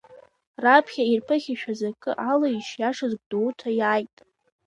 Раԥхьа ирԥыхьашәаз акы ала ишиашаз Гәдоуҭа иааит.